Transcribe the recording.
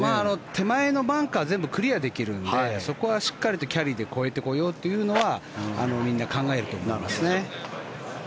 手前のバンカー全部クリアできるのでそこは、しっかりとキャリーで越えてこようというのはみんな考えると思いますね。